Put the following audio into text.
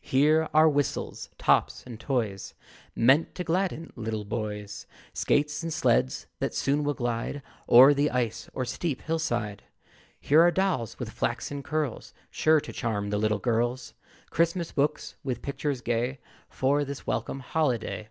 Here are whistles, tops and toys, Meant to gladden little boys; Skates and sleds that soon will glide O'er the ice or steep hill side. Here are dolls with flaxen curls, Sure to charm the little girls; Christmas books, with pictures gay, For this welcome holiday.